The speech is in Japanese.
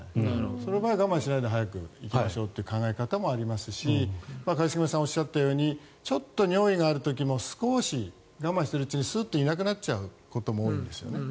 その場合は我慢しないで早く行きましょうという考え方もありますし一茂さんがおっしゃったようにちょっと尿意がある時でも少し我慢しているうちにすっといなくなることも多いんですね。